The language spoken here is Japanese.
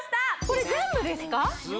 これ全部ですか？